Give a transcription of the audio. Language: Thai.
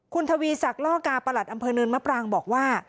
คุณทวีศักดิ์ล่อกาประหลัดอำเภอเนินมะปรางบอกว่า